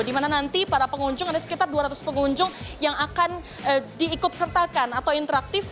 di mana nanti para pengunjung ada sekitar dua ratus pengunjung yang akan diikut sertakan atau interaktif